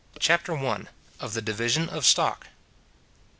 CHAPTER I. OF THE DIVISION OF STOCK.